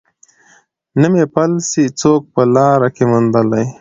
نه مي پل سي څوک په لاره کي میندلای